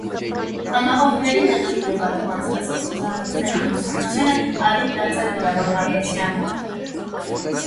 Համախոհների նեղ շրջապատում անցկացվող ցուցահանդեսային գործունեությունը, առիթ դարձան գրավոր մատնության։